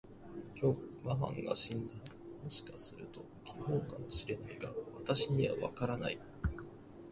きょう、ママンが死んだ。もしかすると、昨日かも知れないが、私にはわからない。